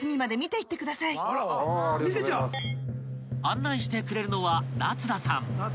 ［案内してくれるのはナツダさん］